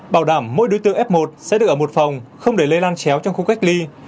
bảo đảm mỗi đối tượng f một sẽ được ở một phòng không để lây lan chéo trong khu cách ly